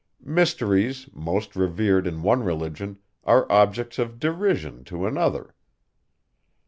Mysteries, most revered in one religion, are objects of derision to another.